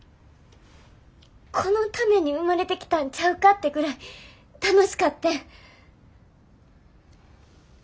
このために生まれてきたんちゃうかってぐらい楽しかってん。